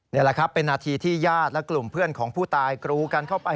นี่แหละครับเป็นนาทีที่ญาติและกลุ่มเพื่อนของผู้ตายกรูกันเข้าไป